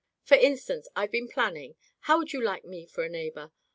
For instance, I've been planning — ^how would you like me for a neighbor